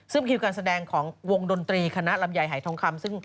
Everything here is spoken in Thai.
ซึ่งคิวการแสดงของวงดนตรีคณะลำไยหายทองคำซึ่ง